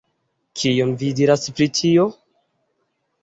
Kion vi diras pri tio?